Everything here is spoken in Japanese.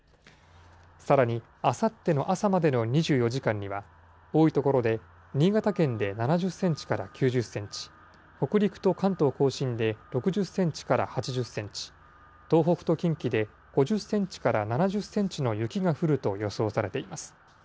さらにあさっての朝までの２４時間には、多い所で新潟県で７０センチから９０センチ、北陸と関東甲信で６０センチから８０センチ、東北と近畿で５０センチから７０センチの雪が降ると予想されています。